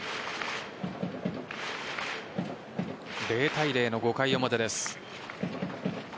０対０の５回表です。